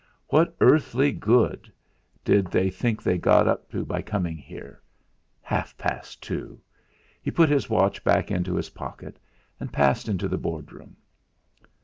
What earthly good did they think they got by coming here? Half past two! He put his watch back into his pocket, and passed into the Board room.